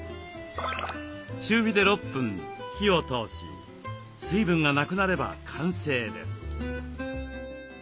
中火で６分火を通し水分がなくなれば完成です。